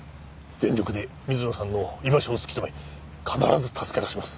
全力で水野さんの居場所を突き止め必ず助け出します。